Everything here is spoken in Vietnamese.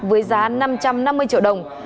với giá năm trăm năm mươi triệu đồng